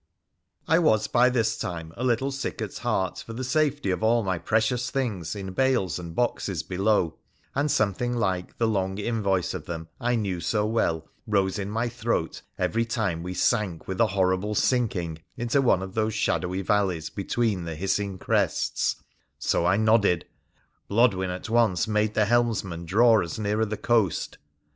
I was by this time a little sick at heart for the safety of all my precious things in bales and boxes below, and something like the long invoice of them I knew so well rose in my throat every time we sank with a horrible sinking into one of those shadowy valleys between the hissing crests — so I nodded. Blodwen at once made the helmsman draw us nearer the coast.